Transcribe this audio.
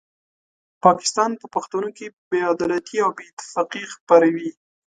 پاکستان په پښتنو کې بې عدالتي او بې اتفاقي خپروي.